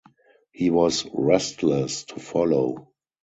He was restless to follow.